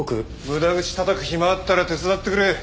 無駄口たたく暇あったら手伝ってくれ。